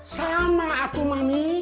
sama atu mami